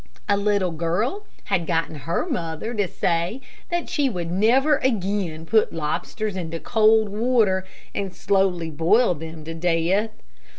A little girl had gotten her mother to say that she would never again put lobsters into cold water and slowly boil them to death.